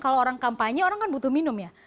kalau orang kampanye orang kan butuh minum ya